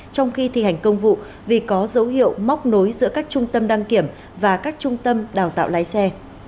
trong khi thi hành công vụ vì có dấu hiệu móc nối giữa các trung tâm đăng kiểm và các trung tâm đào tạo lái xe